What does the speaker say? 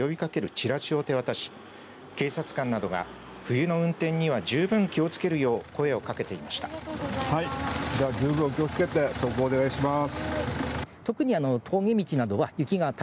チラシを手渡し警察などが冬の運転には十分気をつけるよう声をかけていました。